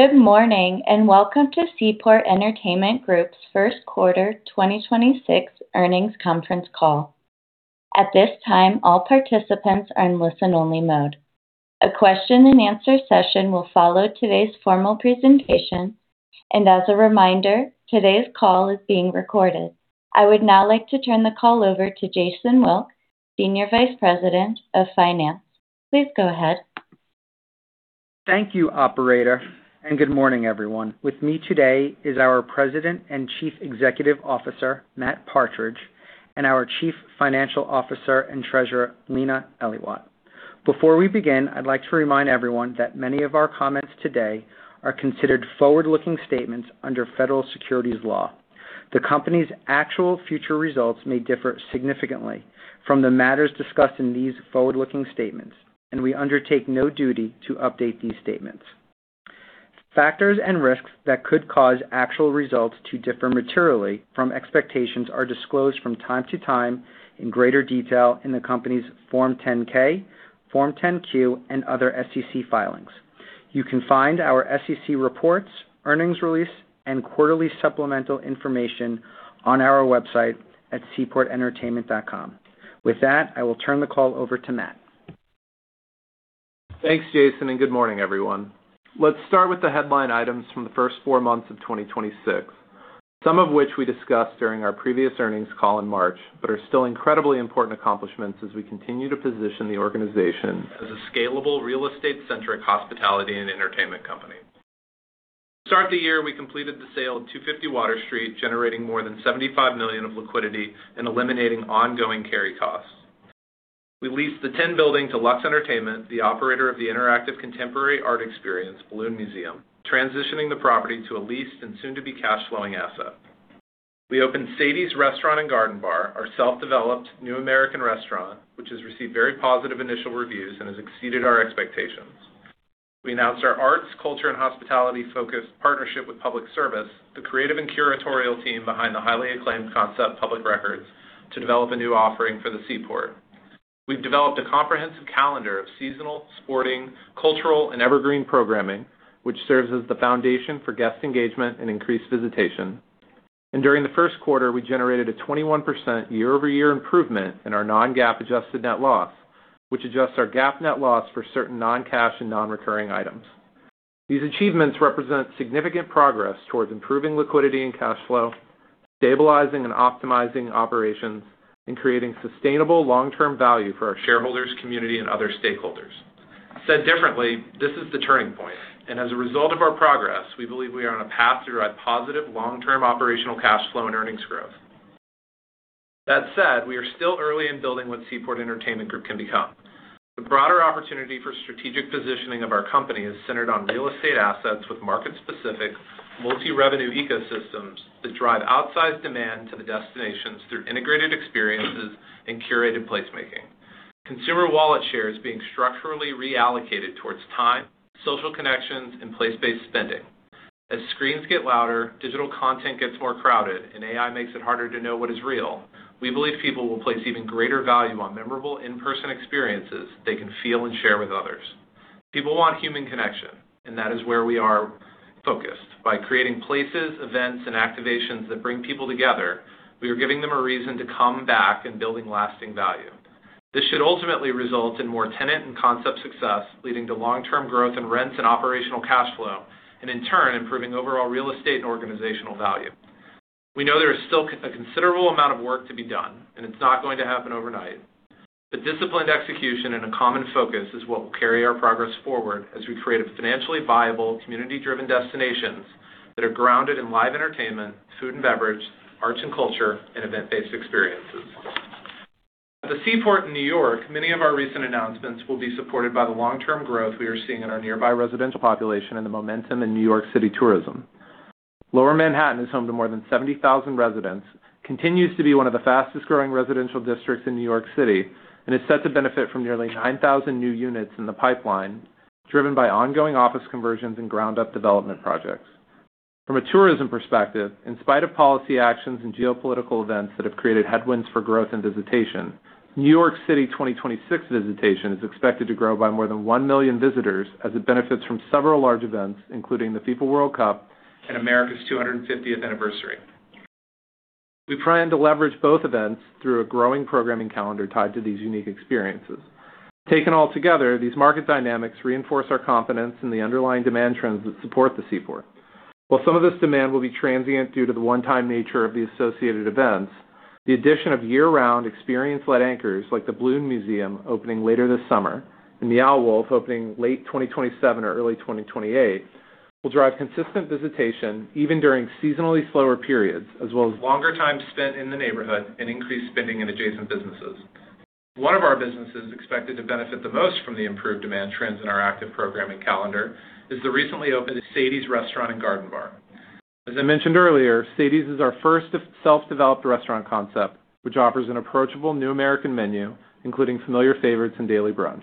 Good morning, and welcome to Seaport Entertainment Group's first quarter 2026 earnings conference call. At this time, all participants are in listen-only mode. A question and answer session will follow today's formal presentation. As a reminder, today's call is being recorded. I would now like to turn the call over to Jason Wilk, Senior Vice President of Finance. Please go ahead. Thank you, operator, and good morning, everyone. With me today is our President and Chief Executive Officer, Matt Partridge, and our Chief Financial Officer and Treasurer, Lenah Elaiwat. Before we begin, I'd like to remind everyone that many of our comments today are considered forward-looking statements under federal securities law. The company's actual future results may differ significantly from the matters discussed in these forward-looking statements, and we undertake no duty to update these statements. Factors and risks that could cause actual results to differ materially from expectations are disclosed from time to time in greater detail in the company's Form 10-K, Form 10-Q, and other SEC filings. You can find our SEC reports, earnings release, and quarterly supplemental information on our website at seaportentertainment.com. With that, I will turn the call over to Matt. Thanks, Jason. Good morning, everyone. Let's start with the headline items from the first four months of 2026, some of which we discussed during our previous earnings call in March, but are still incredibly important accomplishments as we continue to position the organization as a scalable real estate-centric hospitality and entertainment company. To start the year, we completed the sale of 250 Water Street, generating more than $75 million of liquidity and eliminating ongoing carry costs. We leased the Tin Building to Lux Entertainment, the operator of the interactive contemporary art experience, Balloon Museum, transitioning the property to a leased and soon to be cash flowing asset. We opened Sadie's Restaurant & Garden Bar, our self-developed new American restaurant, which has received very positive initial reviews and has exceeded our expectations. We announced our arts, culture, and hospitality-focused partnership with Public Service, the creative and curatorial team behind the highly acclaimed concept Public Records, to develop a new offering for the Seaport. We've developed a comprehensive calendar of seasonal, sporting, cultural, and evergreen programming, which serves as the foundation for guest engagement and increased visitation. During the first quarter, we generated a 21% year-over-year improvement in our non-GAAP adjusted net loss, which adjusts our GAAP net loss for certain non-cash and non-recurring items. These achievements represent significant progress towards improving liquidity and cash flow, stabilizing and optimizing operations, and creating sustainable long-term value for our shareholders, community, and other stakeholders. Said differently, this is the turning point, and as a result of our progress, we believe we are on a path to drive positive long-term operational cash flow and earnings growth. That said, we are still early in building what Seaport Entertainment Group can become. The broader opportunity for strategic positioning of our company is centered on real estate assets with market-specific multi-revenue ecosystems that drive outsized demand to the destinations through integrated experiences and curated placemaking. Consumer wallet share is being structurally reallocated towards time, social connections, and place-based spending. As screens get louder, digital content gets more crowded, and AI makes it harder to know what is real, we believe people will place even greater value on memorable in-person experiences they can feel and share with others. People want human connection, and that is where we are focused. By creating places, events, and activations that bring people together, we are giving them a reason to come back and building lasting value. This should ultimately result in more tenant and concept success, leading to long-term growth in rents and operational cash flow, and in turn, improving overall real estate and organizational value. We know there is still a considerable amount of work to be done, and it's not going to happen overnight. Disciplined execution and a common focus is what will carry our progress forward as we create a financially viable, community-driven destinations that are grounded in live entertainment, food and beverage, arts and culture, and event-based experiences. At the Seaport in New York, many of our recent announcements will be supported by the long-term growth we are seeing in our nearby residential population and the momentum in New York City tourism. Lower Manhattan is home to more than 70,000 residents, continues to be one of the fastest-growing residential districts in New York City, and is set to benefit from nearly 9,000 new units in the pipeline, driven by ongoing office conversions and ground-up development projects. From a tourism perspective, in spite of policy actions and geopolitical events that have created headwinds for growth and visitation, New York City 2026 visitation is expected to grow by more than one million visitors as it benefits from several large events, including the FIFA World Cup and America's 250th anniversary. We plan to leverage both events through a growing programming calendar tied to these unique experiences. Taken all together, these market dynamics reinforce our confidence in the underlying demand trends that support the Seaport. While some of this demand will be transient due to the one-time nature of the associated events, the addition of year-round experience-led anchors like the Balloon Museum opening later this summer and Meow Wolf opening late 2027 or early 2028 will drive consistent visitation even during seasonally slower periods, as well as longer time spent in the neighborhood and increased spending in adjacent businesses. One of our businesses expected to benefit the most from the improved demand trends in our active programming calendar is the recently opened Sadie's Restaurant & Garden Bar. As I mentioned earlier, Sadie's is our first self-developed restaurant concept, which offers an approachable new American menu, including familiar favorites and daily brunch.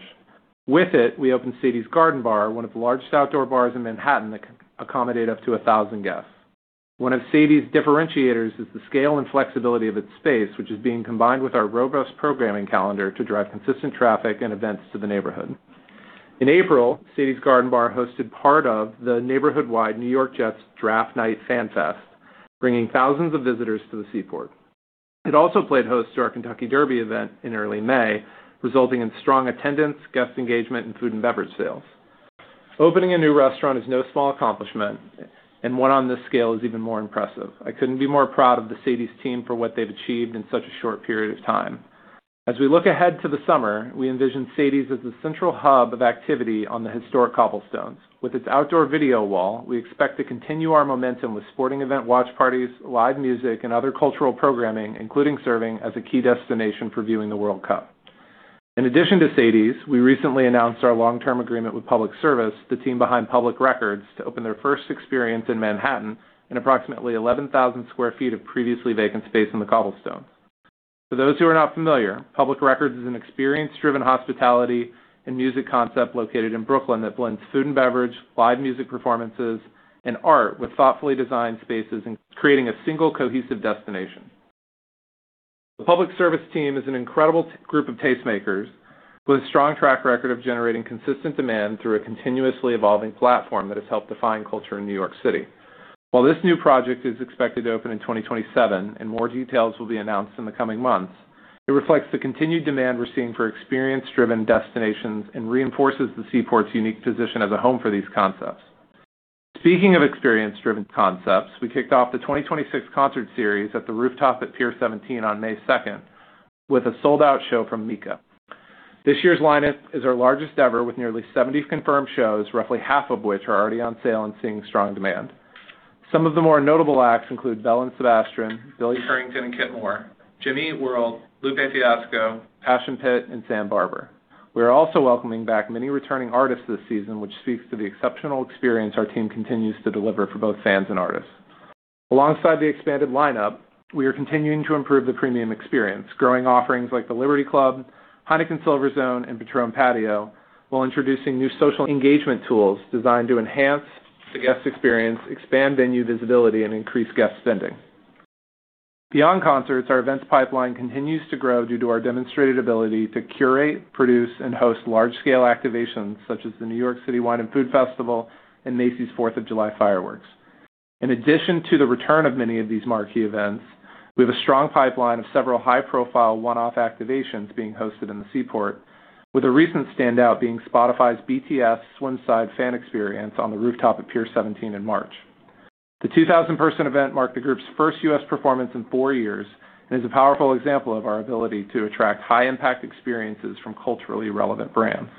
With it, we opened Sadie's Garden Bar, one of the largest outdoor bars in Manhattan that can accommodate up to 1,000 guests. One of Sadie's differentiators is the scale and flexibility of its space, which is being combined with our robust programming calendar to drive consistent traffic and events to the neighborhood. In April, Sadie's Garden Bar hosted part of the neighborhood-wide New York Jets Draft Night fan fest, bringing thousands of visitors to the Seaport. It also played host to our Kentucky Derby event in early May, resulting in strong attendance, guest engagement, and food and beverage sales. Opening a new restaurant is no small accomplishment, and one on this scale is even more impressive. I couldn't be more proud of the Sadie's team for what they've achieved in such a short period of time. As we look ahead to the summer, we envision Sadie's as the central hub of activity on the historic cobblestones. With its outdoor video wall, we expect to continue our momentum with sporting event watch parties, live music, and other cultural programming, including serving as a key destination for viewing the World Cup. In addition to Sadie's, we recently announced our long-term agreement with Public Service, the team behind Public Records, to open their first experience in Manhattan in approximately 11,000 sq ft of previously vacant space in the cobblestones. For those who are not familiar, Public Records is an experience-driven hospitality and music concept located in Brooklyn that blends food and beverage, live music performances, and art with thoughtfully designed spaces in creating a single cohesive destination. The Public Service team is an incredible group of tastemakers with a strong track record of generating consistent demand through a continuously evolving platform that has helped define culture in New York City. While this new project is expected to open in 2027 and more details will be announced in the coming months, it reflects the continued demand we're seeing for experience-driven destinations and reinforces the Seaport's unique position as a home for these concepts. Speaking of experience-driven concepts, we kicked off the 2026 concert series at The Rooftop at Pier 17 on May 2nd with a sold-out show from MIKA. This year's lineup is our largest ever with nearly 70 confirmed shows, roughly half of which are already on sale and seeing strong demand. Some of the more notable acts include Belle & Sebastian, Billy Currington & Kip Moore, Jimmy Eat World, Lupe Fiasco, Passion Pit, and Sam Barber. We are also welcoming back many returning artists this season, which speaks to the exceptional experience our team continues to deliver for both fans and artists. Alongside the expanded lineup, we are continuing to improve the premium experience, growing offerings like the Liberty Club, Heineken Silver Zone, and Patrón Patio, while introducing new social engagement tools designed to enhance the guest experience, expand venue visibility, and increase guest spending. Beyond concerts, our events pipeline continues to grow due to our demonstrated ability to curate, produce, and host large-scale activations such as the New York City Wine & Food Festival and Macy's 4th of July Fireworks. In addition to the return of many of these marquee events, we have a strong pipeline of several high-profile one-off activations being hosted in the Seaport, with a recent standout being Spotify's BTS SWIMSIDE fan experience on The Rooftop at Pier 17 in March. The 2,000 person event marked the group's first U.S. performance in four years and is a powerful example of our ability to attract high-impact experiences from culturally relevant brands.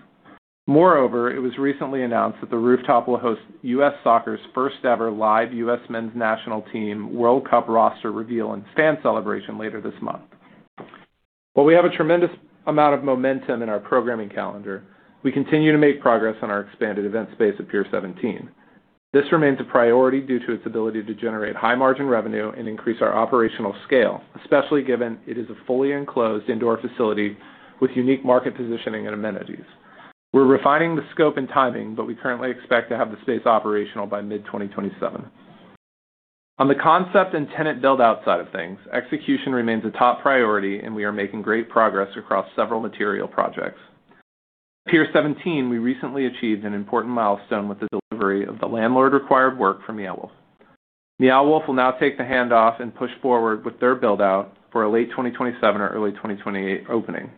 It was recently announced that The Rooftop will host U.S. Soccer's first ever live U.S. Men's National Team World Cup roster reveal and fan celebration later this month. While we have a tremendous amount of momentum in our programming calendar, we continue to make progress on our expanded event space at Pier 17. This remains a priority due to its ability to generate high margin revenue and increase our operational scale, especially given it is a fully enclosed indoor facility with unique market positioning and amenities. We're refining the scope and timing, but we currently expect to have the space operational by mid-2027. On the concept and tenant build-out side of things, execution remains a top priority, and we are making great progress across several material projects. At Pier 17, we recently achieved an important milestone with the delivery of the landlord-required work from Meow Wolf. Meow Wolf will now take the handoff and push forward with their build-out for a late 2027 or early 2028 opening.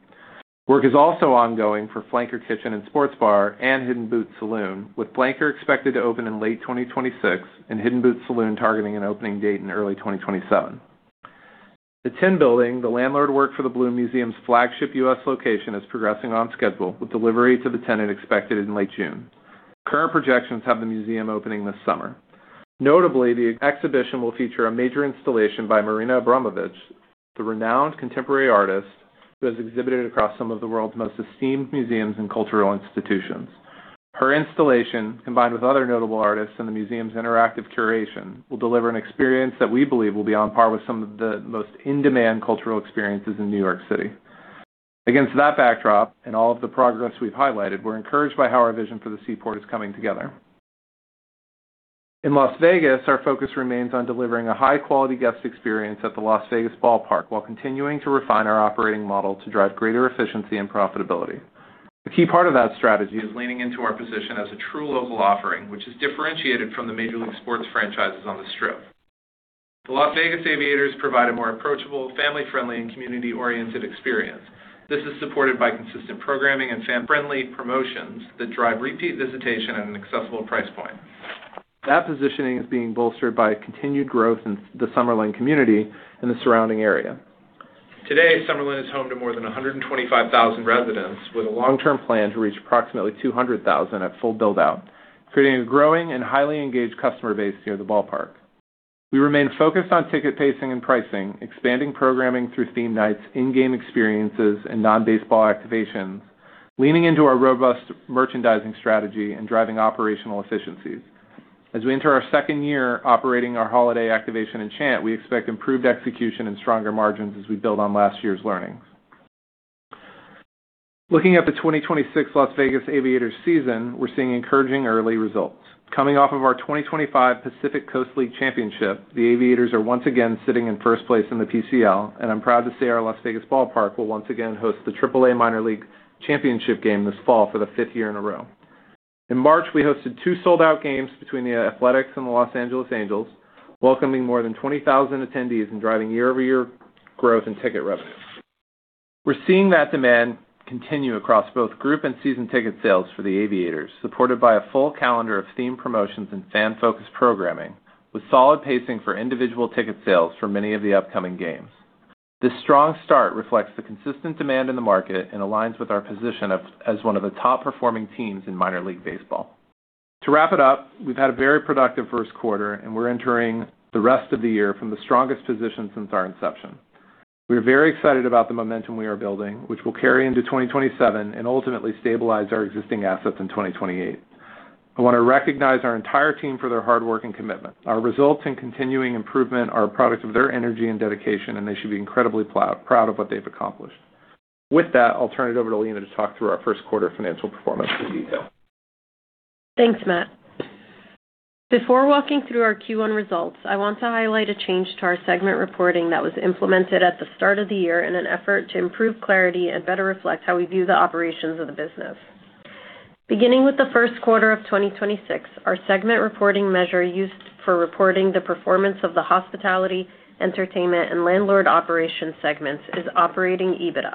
Work is also ongoing for Flanker Kitchen + Sports Bar and Hidden Boot Saloon, with Flanker expected to open in late 2026 and Hidden Boot Saloon targeting an opening date in early 2027. The Tin Building, the landlord work for the Balloon Museum's flagship U.S. location, is progressing on schedule with delivery to the tenant expected in late June. Current projections have the museum opening this summer. Notably, the exhibition will feature a major installation by Marina Abramović, the renowned contemporary artist who has exhibited across some of the world's most esteemed museums and cultural institutions. Her installation, combined with other notable artists and the museum's interactive curation, will deliver an experience that we believe will be on par with some of the most in-demand cultural experiences in New York City. Against that backdrop and all of the progress we've highlighted, we're encouraged by how our vision for the Seaport is coming together. In Las Vegas, our focus remains on delivering a high-quality guest experience at the Las Vegas Ballpark while continuing to refine our operating model to drive greater efficiency and profitability. A key part of that strategy is leaning into our position as a true local offering, which is differentiated from the Major League sports franchises on the Strip. The Las Vegas Aviators provide a more approachable, family-friendly, and community-oriented experience. This is supported by consistent programming and fan-friendly promotions that drive repeat visitation at an accessible price point. That positioning is being bolstered by continued growth in the Summerlin community and the surrounding area. Today, Summerlin is home to more than 125,000 residents with a long-term plan to reach approximately 200,000 at full build-out, creating a growing and highly engaged customer base near the Ballpark. We remain focused on ticket pacing and pricing, expanding programming through theme nights, in-game experiences, and non-baseball activations, leaning into our robust merchandising strategy and driving operational efficiencies. As we enter our second year operating our holiday activation in Enchant, we expect improved execution and stronger margins as we build on last year's learnings. Looking at the 2026 Las Vegas Aviators season, we're seeing encouraging early results. Coming off of our 2025 Pacific Coast League championship, the Aviators are once again sitting in first place in the PCL, and I'm proud to say our Las Vegas Ballpark will once again host the Triple-A Minor League championship game this fall for the fifth year in a row. In March, we hosted two sold-out games between the Athletics and the Los Angeles Angels, welcoming more than 20,000 attendees and driving year-over-year growth in ticket revenue. We're seeing that demand continue across both group and season ticket sales for the Aviators, supported by a full calendar of themed promotions and fan-focused programming, with solid pacing for individual ticket sales for many of the upcoming games. This strong start reflects the consistent demand in the market and aligns with our position as one of the top-performing teams in Minor League Baseball. To wrap it up, we've had a very productive first quarter. We're entering the rest of the year from the strongest position since our inception. We are very excited about the momentum we are building, which will carry into 2027 and ultimately stabilize our existing assets in 2028. I want to recognize our entire team for their hard work and commitment. Our results and continuing improvement are a product of their energy and dedication. They should be incredibly proud of what they've accomplished. With that, I'll turn it over to Lenah to talk through our first quarter financial performance in detail. Thanks, Matt. Before walking through our Q1 results, I want to highlight a change to our segment reporting that was implemented at the start of the year, in an effort to improve clarity and better reflect how we view the operations of the business. Beginning with the first quarter of 2026, our segment reporting measure used for reporting the performance of the hospitality, entertainment, and landlord operation segments is operating EBITDA.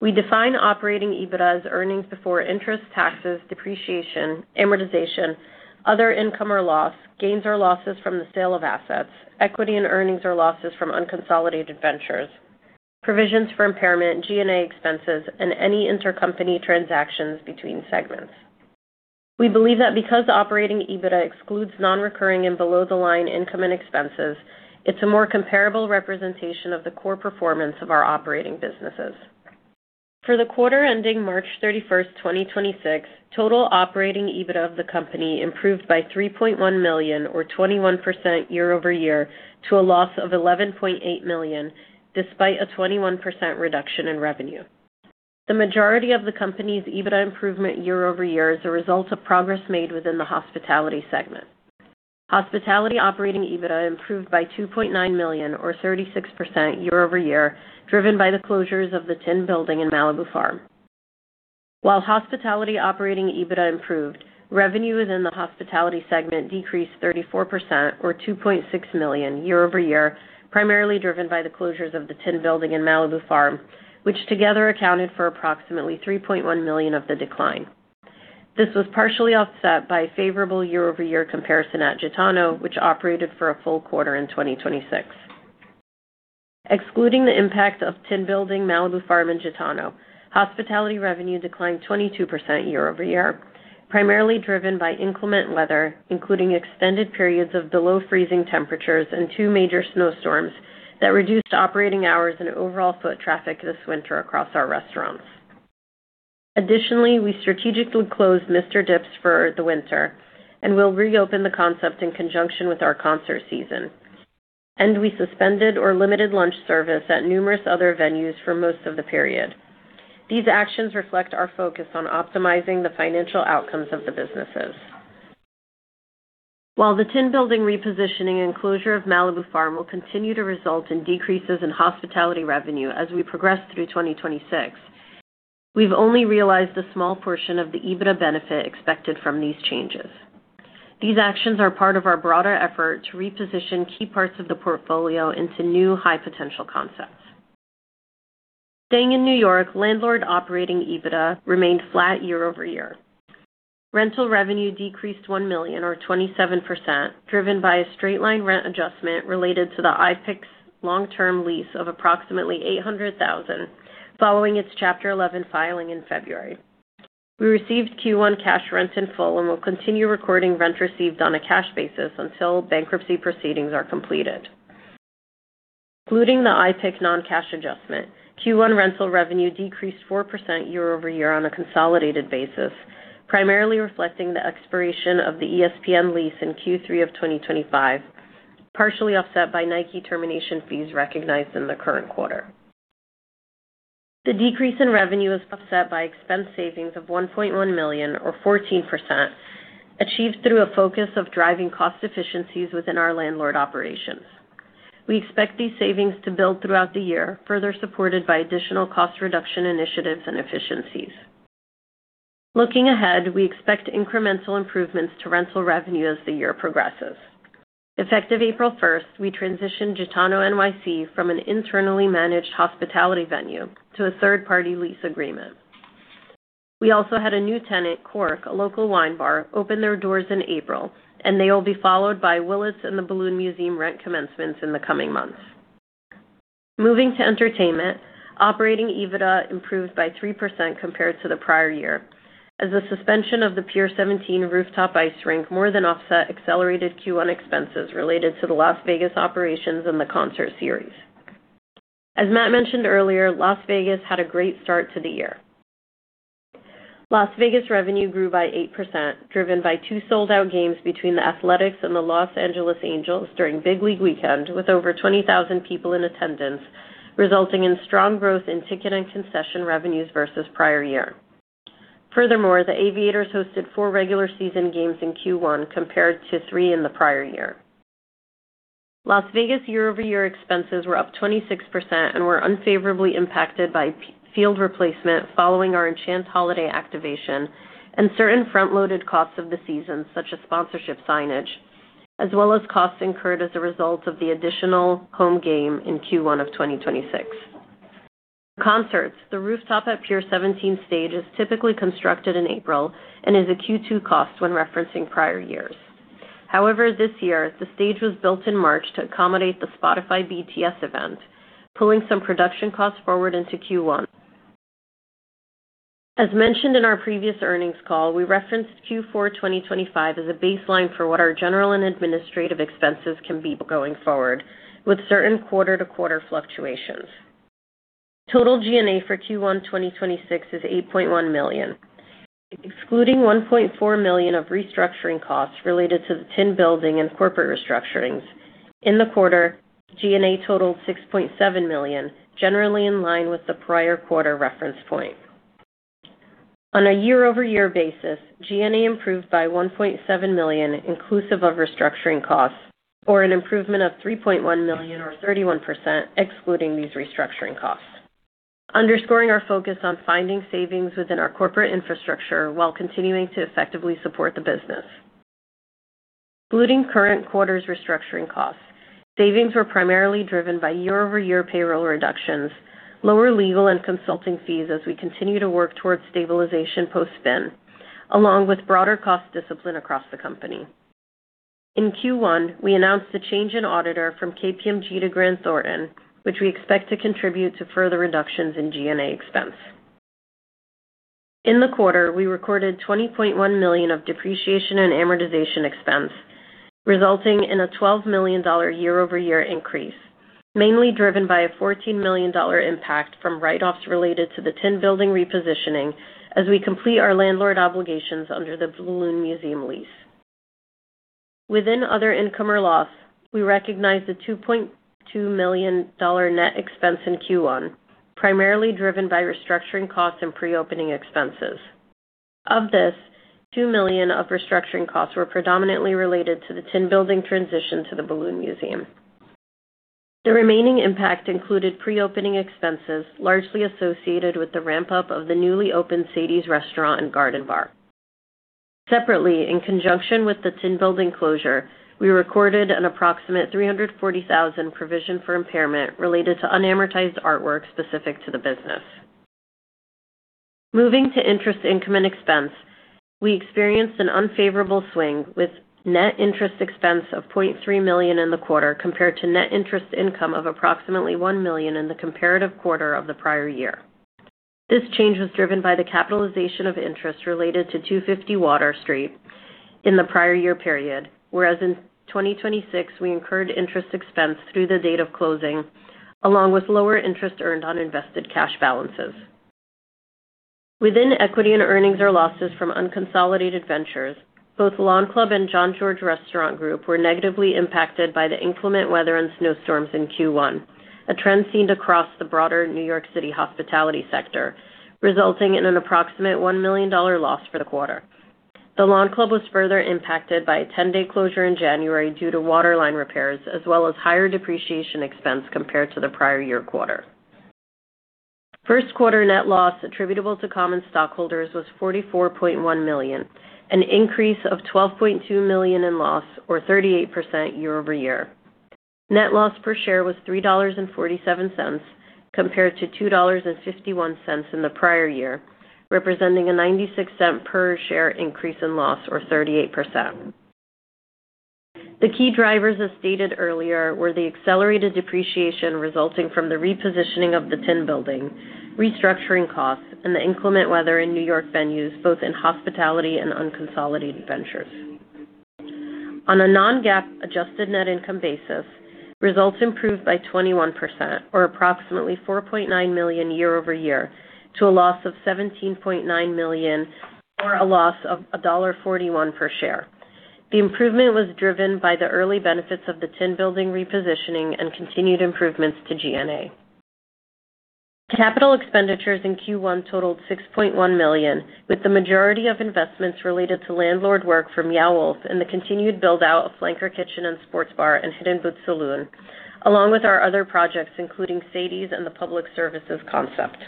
We define operating EBITDA as earnings before interest, taxes, depreciation, amortization, other income or loss, gains or losses from the sale of assets, equity and earnings or losses from unconsolidated ventures, provisions for impairment, G&A expenses, and any intercompany transactions between segments. We believe that because operating EBITDA excludes non-recurring and below-the-line income and expenses, it's a more comparable representation of the core performance of our operating businesses. For the quarter ending March 31st, 2026, total operating EBITDA of the company improved by $3.1 million or 21% year-over-year to a loss of $11.8 million despite a 21% reduction in revenue. The majority of the company's EBITDA improvement year-over-year is a result of progress made within the hospitality segment. Hospitality operating EBITDA improved by $2.9 million or 36% year-over-year, driven by the closures of the Tin Building and Malibu Farm. While hospitality operating EBITDA improved, revenue within the hospitality segment decreased 34% or $2.6 million year-over-year, primarily driven by the closures of the Tin Building and Malibu Farm, which together accounted for approximately $3.1 million of the decline. This was partially offset by favorable year-over-year comparison at GITANO, which operated for a full quarter in 2026. Excluding the impact of Tin Building, Malibu Farm, and GITANO, hospitality revenue declined 22% year-over-year, primarily driven by inclement weather, including extended periods of below freezing temperatures and two major snowstorms that reduced operating hours and overall foot traffic this winter across our restaurants. Additionally, we strategically closed Mister Dips for the winter, and we'll reopen the concept in conjunction with our concert season, and we suspended or limited lunch service at numerous other venues for most of the period. These actions reflect our focus on optimizing the financial outcomes of the businesses. While the Tin Building repositioning and closure of Malibu Farm will continue to result in decreases in hospitality revenue as we progress through 2026, we've only realized a small portion of the EBITDA benefit expected from these changes. These actions are part of our broader effort to reposition key parts of the portfolio into new high-potential concepts. Staying in New York, landlord operating EBITDA remained flat year-over-year. Rental revenue decreased $1 million or 27%, driven by a straight-line rent adjustment related to the iPic's long-term lease of approximately $800,000 following its Chapter 11 filing in February. We received Q1 cash rent in full and will continue recording rent received on a cash basis until bankruptcy proceedings are completed. Excluding the iPic non-cash adjustment, Q1 rental revenue decreased 4% year-over-year on a consolidated basis, primarily reflecting the expiration of the ESPN lease in Q3 of 2025, partially offset by Nike termination fees recognized in the current quarter. The decrease in revenue is offset by expense savings of $1.1 million or 14%, achieved through a focus of driving cost efficiencies within our landlord operations. We expect these savings to build throughout the year, further supported by additional cost reduction initiatives and efficiencies. Looking ahead, we expect incremental improvements to rental revenue as the year progresses. Effective April 1st, we transitioned GITANO NYC from an internally managed hospitality venue to a third-party lease agreement. We also had a new tenant, Cork, a local wine bar, open their doors in April. They will be followed by Willett's and the Balloon Museum rent commencements in the coming months. Moving to entertainment, operating EBITDA improved by 3% compared to the prior year as the suspension of The Rooftop Pier 17 ice rink more than offset accelerated Q1 expenses related to the Las Vegas operations and the concert series. As Matt mentioned earlier, Las Vegas had a great start to the year. Las Vegas revenue grew by 8%, driven by two sold-out games between the Athletics and the Los Angeles Angels during Big League Weekend, with over 20,000 people in attendance, resulting in strong growth in ticket and concession revenues versus prior year. The Aviators hosted four regular season games in Q1 compared to three in the prior year. Las Vegas year-over-year expenses were up 26% and were unfavorably impacted by PCL replacement following our Enchant holiday activation and certain front-loaded costs of the season, such as sponsorship signage, as well as costs incurred as a result of the additional home game in Q1 2026. Concerts: The Rooftop at Pier 17 stage is typically constructed in April and is a Q2 cost when referencing prior years. This year, the stage was built in March to accommodate the Spotify x BTS event, pulling some production costs forward into Q1. As mentioned in our previous earnings call, we referenced Q4 2025 as a baseline for what our general and administrative expenses can be going forward, with certain quarter-to-quarter fluctuations. Total G&A for Q1 2026 is $8.1 million. Excluding $1.4 million of restructuring costs related to the Tin Building and corporate restructurings, in the quarter, G&A totaled $6.7 million, generally in line with the prior quarter reference point. On a year-over-year basis, G&A improved by $1.7 million inclusive of restructuring costs, or an improvement of $3.1 million or 31%, excluding these restructuring costs. Underscoring our focus on finding savings within our corporate infrastructure while continuing to effectively support the business. Excluding current quarter's restructuring costs, savings were primarily driven by year-over-year payroll reductions, lower legal and consulting fees as we continue to work towards stabilization post-spin, along with broader cost discipline across the company. In Q1, we announced a change in auditor from KPMG to Grant Thornton, which we expect to contribute to further reductions in G&A expense. In the quarter, we recorded $20.1 million of depreciation and amortization expense, resulting in a $12 million year-over-year increase, mainly driven by a $14 million impact from write-offs related to the Tin Building repositioning as we complete our landlord obligations under the Balloon Museum lease. Within other income or loss, we recognized a $2.2 million net expense in Q1, primarily driven by restructuring costs and pre-opening expenses. Of this, $2 million of restructuring costs were predominantly related to the Tin Building transition to the Balloon Museum. The remaining impact included pre-opening expenses largely associated with the ramp-up of the newly opened Sadie's Restaurant & Garden Bar. Separately, in conjunction with the Tin Building closure, we recorded an approximate $340,000 provision for impairment related to unamortized artwork specific to the business. Moving to interest income and expense, we experienced an unfavorable swing with net interest expense of $0.3 million in the quarter compared to net interest income of approximately $1 million in the comparative quarter of the prior year. This change was driven by the capitalization of interest related to 250 Water Street in the prior year period, whereas in 2026, we incurred interest expense through the date of closing, along with lower interest earned on invested cash balances. Within equity and earnings or losses from unconsolidated ventures, both Lawn Club and Jean-Georges Restaurant Group were negatively impacted by the inclement weather and snowstorms in Q1, a trend seen across the broader New York City hospitality sector, resulting in an approximate $1 million loss for the quarter. The Lawn Club was further impacted by a 10-day closure in January due to waterline repairs, as well as higher depreciation expense compared to the prior year quarter. First quarter net loss attributable to common stockholders was $44.1 million, an increase of $12.2 million in loss or 38% year-over-year. Net loss per share was $3.47 compared to $2.51 in the prior year, representing a $0.96 per share increase in loss or 38%. The key drivers, as stated earlier, were the accelerated depreciation resulting from the repositioning of the Tin Building, restructuring costs, and the inclement weather in New York venues, both in hospitality and unconsolidated ventures. On a non-GAAP adjusted net income basis, results improved by 21% or approximately $4.9 million year-over-year to a loss of $17.9 million or a loss of $1.41 per share. The improvement was driven by the early benefits of the Tin Building repositioning and continued improvements to G&A. Capital expenditures in Q1 totaled $6.1 million, with the majority of investments related to landlord work from Meow Wolf and the continued build-out of Flanker Kitchen + Sports Bar and Hidden Boot Saloon, along with our other projects, including Sadie's and the Public Service concept.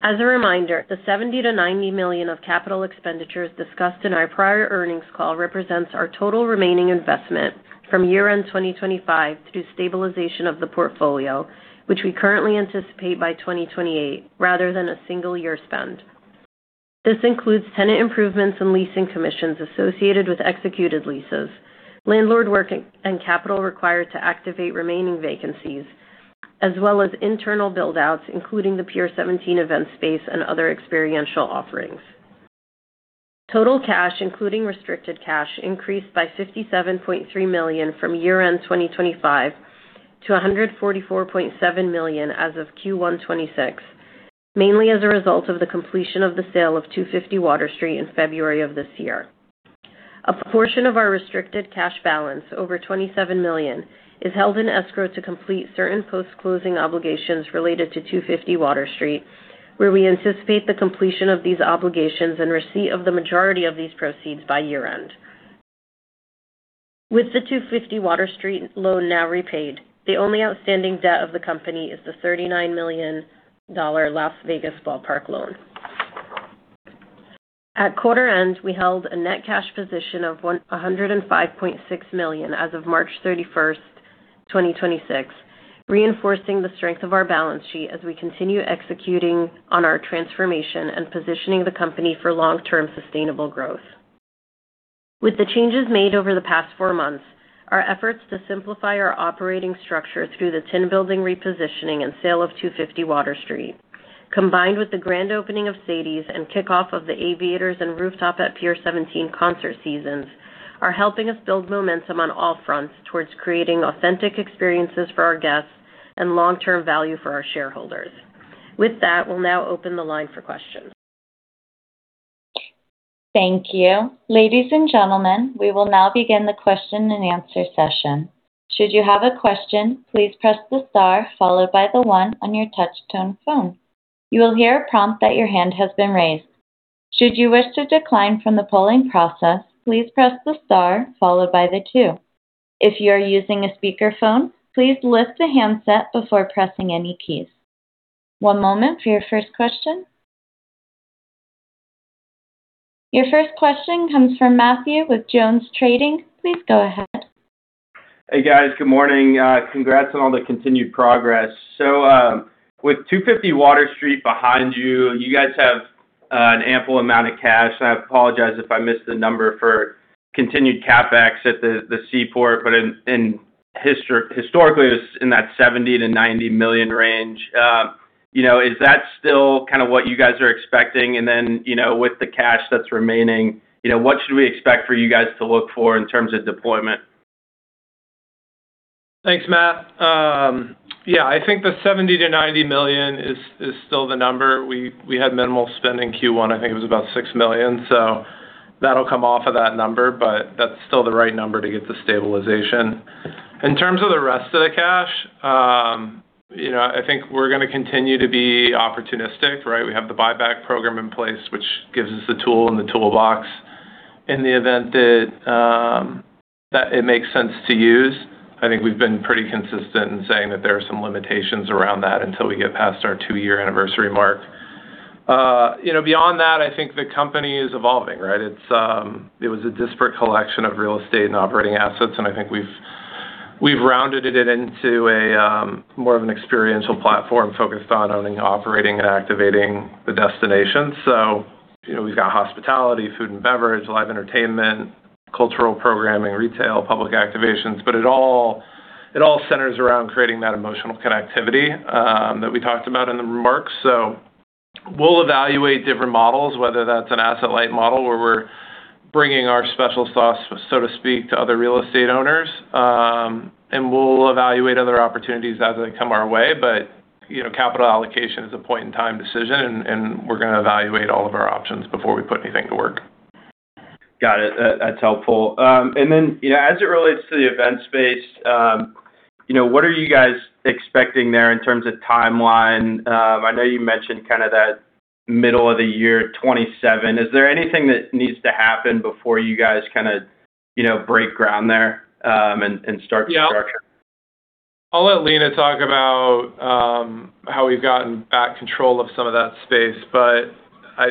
As a reminder, the $70 million-$90 million of capital expenditures discussed in our prior earnings call represents our total remaining investment from year-end 2025 through stabilization of the portfolio, which we currently anticipate by 2028 rather than a single year spend. This includes tenant improvements and leasing commissions associated with executed leases, landlord work and capital required to activate remaining vacancies, as well as internal build-outs, including the Pier 17 event space and other experiential offerings. Total cash, including restricted cash, increased by $57.3 million from year-end 2025 to $144.7 million as of Q1 2026, mainly as a result of the completion of the sale of 250 Water Street in February of this year. A portion of our restricted cash balance, over $27 million, is held in escrow to complete certain post-closing obligations related to 250 Water Street, where we anticipate the completion of these obligations and receipt of the majority of these proceeds by year-end. With the 250 Water Street loan now repaid, the only outstanding debt of the company is the $39 million Las Vegas Ballpark loan. At quarter end, we held a net cash position of $105.6 million as of March 31st, 2026, reinforcing the strength of our balance sheet as we continue executing on our transformation and positioning the company for long-term sustainable growth. With the changes made over the past four months, our efforts to simplify our operating structure through the Tin Building repositioning and sale of 250 Water Street, combined with the grand opening of Sadie's and kickoff of the Aviators and Rooftop at Pier 17 concert seasons, are helping us build momentum on all fronts towards creating authentic experiences for our guests and long-term value for our shareholders. We'll now open the line for questions. Thank you. Ladies and gentlemen, we will now begin the question and answer session. Should you have a question, please press the star followed by the one on your touch-tone phone. You will hear a prompt that your hand has been raised. Should you wish to decline from the polling process, please press the star followed by the two. If you are using a speakerphone, please lift the handset before pressing any keys. One moment for your first question. Your first question comes from Matthew with JonesTrading. Please go ahead. Hey, guys. Good morning. Congrats on all the continued progress. With 250 Water Street behind you guys have an ample amount of cash. I apologize if I missed the number for continued CapEx at the Seaport, but historically, it was in that $70 million-$90 million range. You know, is that still kind of what you guys are expecting? You know, with the cash that's remaining, you know, what should we expect for you guys to look for in terms of deployment? Thanks, Matt. Yeah, I think the $70 million-$90 million is still the number. We had minimal spend in Q1. I think it was about $6 million. That'll come off of that number, but that's still the right number to get the stabilization. In terms of the rest of the cash, you know, I think we're gonna continue to be opportunistic, right? We have the buyback program in place, which gives us the tool in the toolbox in the event that it makes sense to use. I think we've been pretty consistent in saying that there are some limitations around that until we get past our two-year anniversary mark. You know, beyond that, I think the company is evolving, right? It was a disparate collection of real estate and operating assets, and I think we've rounded it into a more of an experiential platform focused on owning, operating, and activating the destination. You know, we've got hospitality, food and beverage, live entertainment, cultural programming, retail, public activations. It all, it all centers around creating that emotional connectivity that we talked about in the remarks. We'll evaluate different models, whether that's an asset-light model, where we're bringing our special sauce, so to speak, to other real estate owners. We'll evaluate other opportunities as they come our way. You know, capital allocation is a point-in-time decision, and we're gonna evaluate all of our options before we put anything to work. Got it. That's helpful. Then, you know, as it relates to the event space, you know, what are you guys expecting there in terms of timeline? I know you mentioned kind of that middle of the year 2027. Is there anything that needs to happen before you guys kinda, you know, break ground there? Yeah. And start construction? I'll let Lenah talk about how we've gotten back control of some of that space.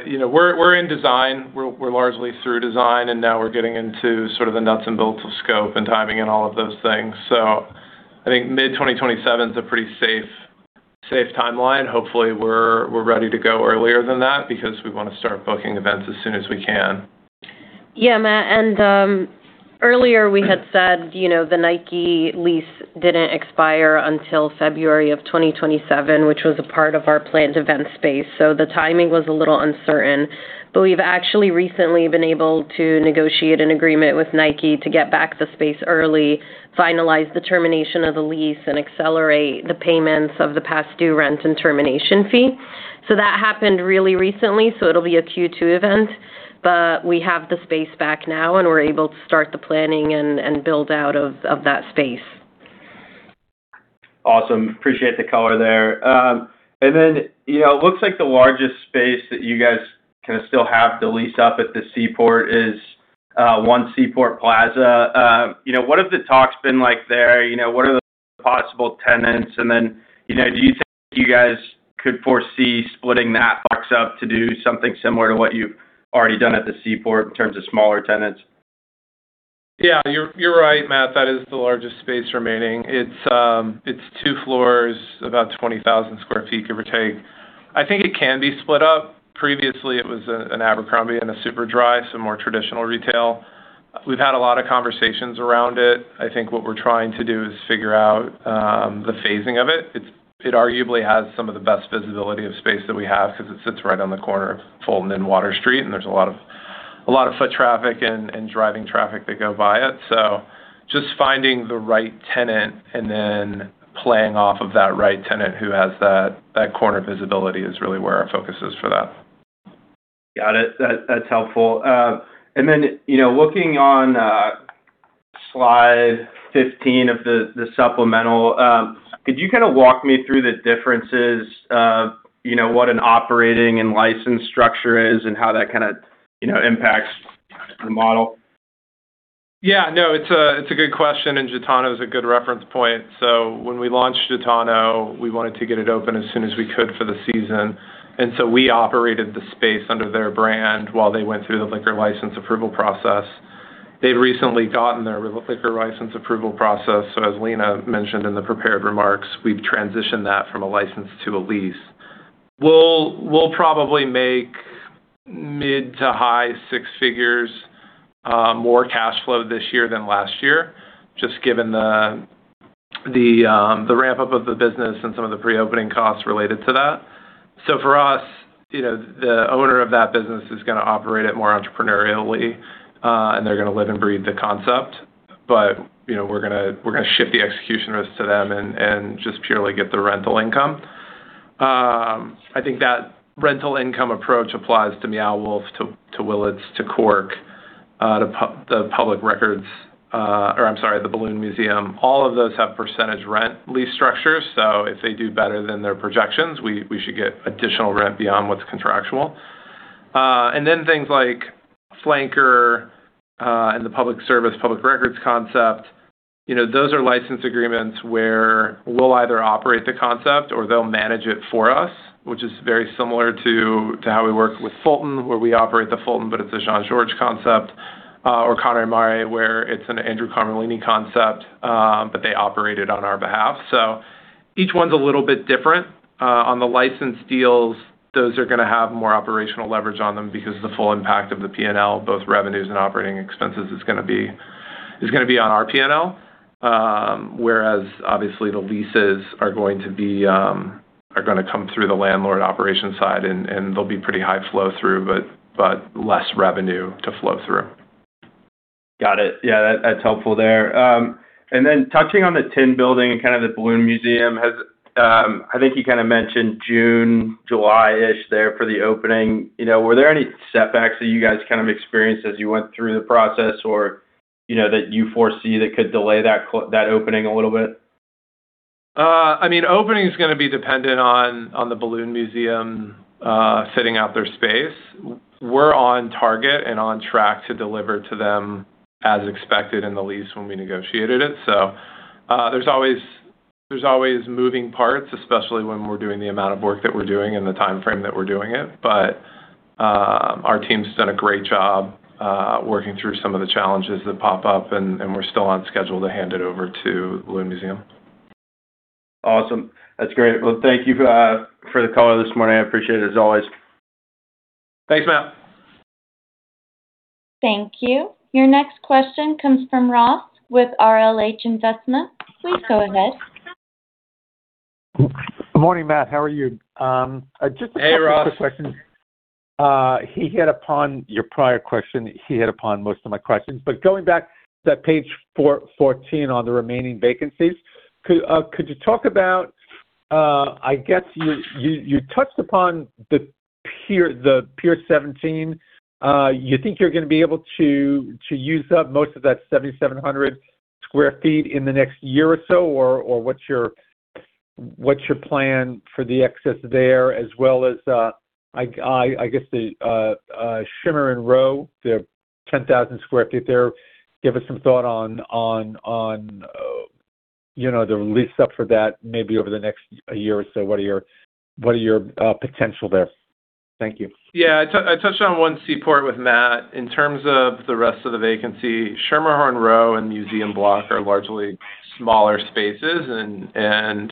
You know, we're in design. We're largely through design, now we're getting into sort of the nuts and bolts of scope and timing and all of those things. I think mid-2027 is a pretty safe timeline. Hopefully, we're ready to go earlier than that because we wanna start booking events as soon as we can. Yeah, Matt. Earlier we had said, you know, the Nike lease didn't expire until February of 2027, which was a part of our planned event space. So the timing was a little uncertain. We've actually recently been able to negotiate an agreement with Nike to get back the space early, finalize the termination of the lease, and accelerate the payments of the past due rent and termination fee. That happened really recently, so it'll be a Q2 event. We have the space back now, and we're able to start the planning and build out of that space. Awesome. Appreciate the color there. You know, it looks like the largest space that you guys kinda still have to lease up at the Seaport is One Seaport Plaza. You know, what have the talks been like there? You know, what are the possible tenants? You know, do you think you guys could foresee splitting that box up to do something similar to what you've already done at the Seaport in terms of smaller tenants? Yeah, you're right, Matt. That is the largest space remaining. It's two floors, about 20,000 sq ft, give or take. I think it can be split up. Previously, it was an Abercrombie and a Superdry, some more traditional retail. We've had a lot of conversations around it. I think what we're trying to do is figure out the phasing of it. It arguably has some of the best visibility of space that we have 'cause it sits right on the corner of Fulton and Water Street, and there's a lot of foot traffic and driving traffic that go by it. Just finding the right tenant and then playing off of that right tenant who has that corner visibility is really where our focus is for that. Got it. That's helpful. You know, looking on, slide 15 of the supplemental, could you kinda walk me through the differences of, you know, what an operating and license structure is and how that kinda, you know, impacts the model? Yeah, no, it's a, it's a good question, and GITANO's a good reference point. When we launched GITANO, we wanted to get it open as soon as we could for the season, and so we operated the space under their brand while they went through the liquor license approval process. They've recently gotten their liquor license approval process, as Lenah mentioned in the prepared remarks, we've transitioned that from a license to a lease. We'll probably make mid- to high-six figures more cash flow this year than last year, just given the ramp-up of the business and some of the pre-opening costs related to that. For us, you know, the owner of that business is gonna operate it more entrepreneurially, and they're gonna live and breathe the concept. You know, we're gonna ship the execution risk to them and just purely get the rental income. I think that rental income approach applies to Meow Wolf, to Willett's, to Cork, the Public Records, I'm sorry to the Balloon Museum. All of those have percentage rent lease structures, so if they do better than their projections, we should get additional rent beyond what's contractual. And then things like Flanker, and the Public Service, Public Records concept, you know, those are license agreements where we'll either operate the concept or they'll manage it for us, which is very similar to how we work with The Fulton, where we operate The Fulton, but it's a Jean-Georges concept, or Carne Mare, where it's an Andrew Carmellini concept, but they operate it on our behalf. Each one's a little bit different. On the license deals, those are gonna have more operational leverage on them because the full impact of the P&L, both revenues and operating expenses, is gonna be on our P&L. Whereas obviously the leases are gonna come through the landlord operation side, and they'll be pretty high flow through, but less revenue to flow through. Got it. Yeah, that's helpful there. Then touching on the Tin Building and kind of the Balloon Museum, has, I think you kind of mentioned June, July-ish there for the opening. You know, were there any setbacks that you guys kind of experienced as you went through the process or, you know, that you foresee that could delay that opening a little bit? I mean, opening's gonna be dependent on the Balloon Museum fitting out their space. We're on target and on track to deliver to them as expected in the lease when we negotiated it. There's always moving parts, especially when we're doing the amount of work that we're doing in the timeframe that we're doing it. Our team's done a great job working through some of the challenges that pop up, and we're still on schedule to hand it over to Balloon Museum. Awesome. That's great. Thank you for the call this morning. I appreciate it as always. Thanks, Matt. Thank you. Your next question comes from Ross with RLH Investment. Please go ahead. Good morning, Matt. How are you? Hey, Ross. Quick questions. He hit upon your prior question, he hit upon most of my questions. Going back to page 14 on the remaining vacancies, could you talk about, I guess you touched upon the Pier 17. You think you're gonna be able to use up most of that 7,700 sq ft in the next year or so, or what's your plan for the excess there, as well as, I guess the Schermerhorn Row, the 10,000 sq ft there. Give us some thought on, you know, the lease up for that maybe over the next year or so. What are your potential there? Thank you. Yeah. I touched on One Seaport with Matt. In terms of the rest of the vacancy, Schermerhorn Row and Museum Block are largely smaller spaces and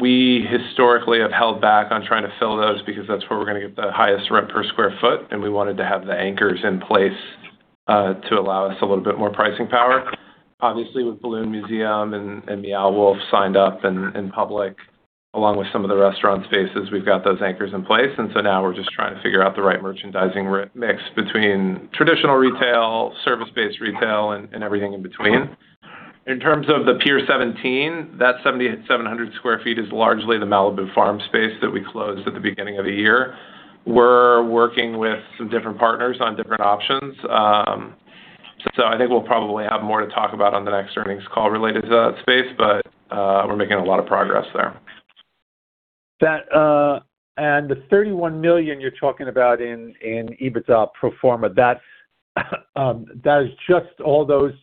we historically have held back on trying to fill those because that's where we're gonna get the highest rent per square foot, and we wanted to have the anchors in place to allow us a little bit more pricing power. Obviously, with Balloon Museum and Meow Wolf signed up and public, along with some of the restaurant spaces, we've got those anchors in place. Now we're just trying to figure out the right merchandising mix between traditional retail, service-based retail, and everything in between. In terms of the Pier 17, that 7,700 sq ft is largely the Malibu Farm space that we closed at the beginning of the year. We're working with some different partners on different options. I think we'll probably have more to talk about on the next earnings call related to that space, but we're making a lot of progress there. That, the $31 million you're talking about in EBITDA pro forma, that is just all those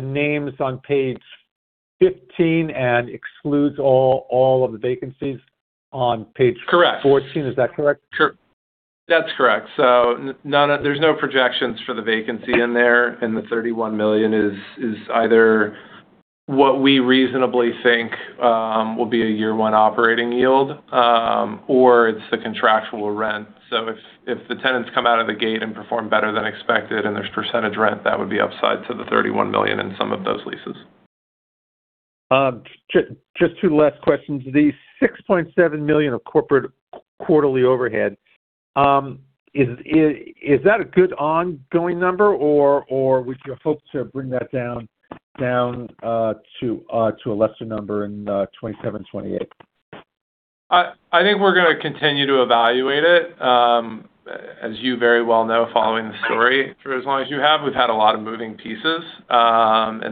names on page 15 and excludes all of the vacancies on page. Correct. 14. Is that correct? That's correct. There's no projections for the vacancy in there, the $31 million is either what we reasonably think will be a year one operating yield, or it's the contractual rent. If the tenants come out of the gate and perform better than expected and there's percentage rent, that would be upside to the $31 million in some of those leases. Just two last questions. The $6.7 million of corporate quarterly overhead-is that a good ongoing number or would you hope to bring that down to a lesser number in 2027, 2028? I think we're gonna continue to evaluate it. As you very well know, following the story for as long as you have, we've had a lot of moving pieces.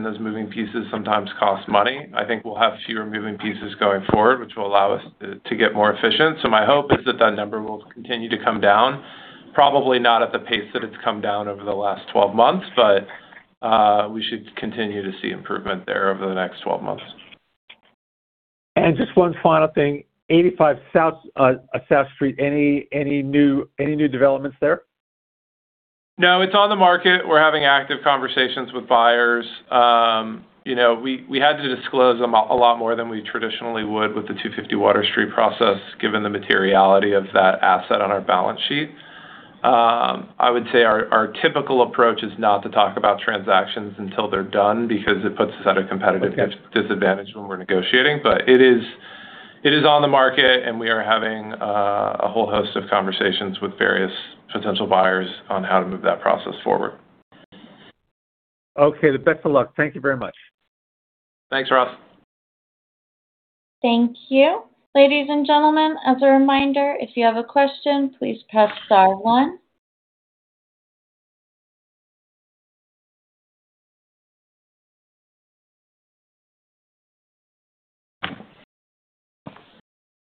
Those moving pieces sometimes cost money. I think we'll have fewer moving pieces going forward, which will allow us to get more efficient. My hope is that that number will continue to come down, probably not at the pace that it's come down over the last 12 months, but we should continue to see improvement there over the next 12 months. Just one final thing. 85 South Street, any new developments there? No, it's on the market. We're having active conversations with buyers, you know, we had to disclose a lot more than we traditionally would with the 250 Water Street process, given the materiality of that asset on our balance sheet. I would say our typical approach is not to talk about transactions until they're done because they put us at a competitive- Okay. Disadvantage when we're negotiating. It is on the market, and we are having a whole host of conversations with various potential buyers on how to move that process forward. Okay. The best of luck. Thank you very much. Thanks, Ross. Thank you. Ladies and gentlemen, as a reminder, if you have a question, please press star one.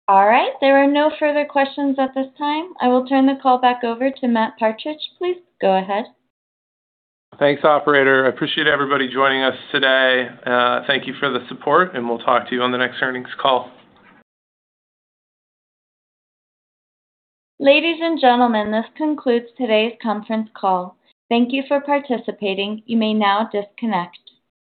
All right. There are no further questions at this time. I will turn the call back over to Matt Partridge. Please go ahead. Thanks, operator. I appreciate everybody joining us today. Thank you for the support, and we'll talk to you on the next earnings call. Ladies and gentlemen, this concludes today's conference call. Thank you for participating. You may now disconnect.